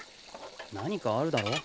何かあるだろ。